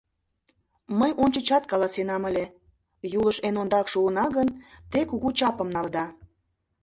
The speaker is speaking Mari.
Мый ончычат каласенам ыле, Юлыш эн ондак шуына гын, те кугу чапым налыда.